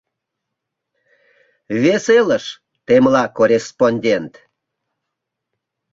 Вес элыш, — темла корреспондент.